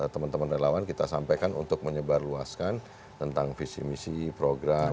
teman teman relawan kita sampaikan untuk menyebarluaskan tentang visi misi program